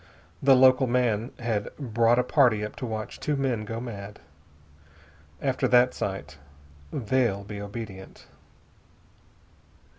The local man had brought a party up to watch two men go mad. After that sight they'll be obedient."